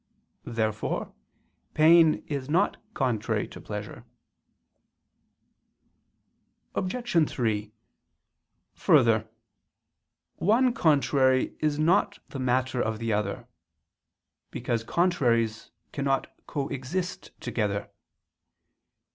Therefore pain is not contrary to pleasure. Obj. 3: Further, one contrary is not the matter of the other; because contraries cannot co exist together.